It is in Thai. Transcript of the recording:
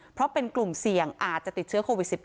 เพราะเป็นกลุ่มเสี่ยงอาจจะติดเชื้อโควิด๑๙